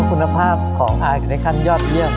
คุณภาพของอายคือในขั้นยอดเยี่ยม